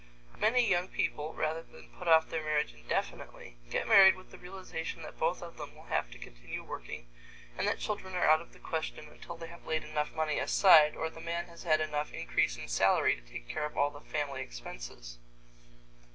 Many young people, rather than put off their marriage indefinitely, get married with the realization that both of them will have to continue working and that children are out of the question until they have laid enough money aside or the man has had enough increase in salary to take care of all the family expenses.